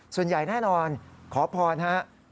ส่วนใหญ่แน่นอนขอพรครับ